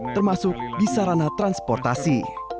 termasuk di sarana transportasi